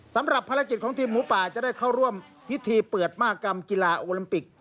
สำหรับภารกิจของทีมหมูป่าจะได้เข้าร่วมพิธีเปิดมากรรมกีฬาโอลิมปิก